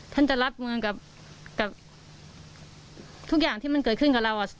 ท่านจะรับมือกับทุกอย่างที่มันเกิดขึ้นกับเรา